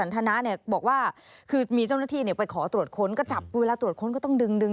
บอกว่าคือมีเจ้าหน้าที่ไปขอตรวจค้นก็จับเวลาตรวจค้นก็ต้องดึงดึง